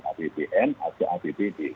apbn atau apbd